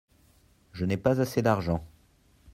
Je n’ai pas assez d’argent.